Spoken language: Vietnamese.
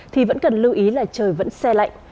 thì vẫn cần lưu ý là trời vẫn xe lạnh